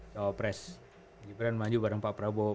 sama pres gibran maju bareng pak prabowo